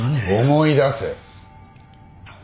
思い出せ。